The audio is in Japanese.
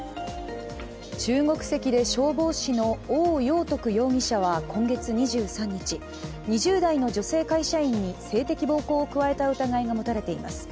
中国籍で消防士の王燿徳容疑者は今月２３日２０代の女性会社員に性的暴行を加えた疑いが持たれています。